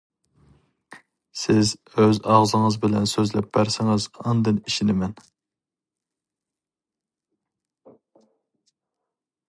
سىز ئۆز ئاغزىڭىز بىلەن سۆزلەپ بەرسىڭىز ئاندىن ئىشىنىمەن.